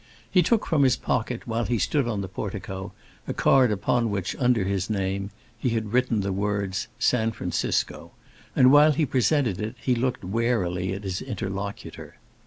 He took from his pocket, while he stood on the portico, a card upon which, under his name, he had written the words "San Francisco," and while he presented it he looked warily at his interlocutor.